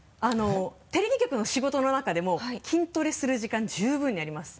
テレビ局の仕事の中でも筋トレする時間十分にあります。